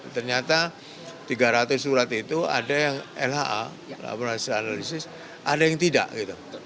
ternyata tiga ratus surat itu ada yang lha berhasil analisis ada yang tidak gitu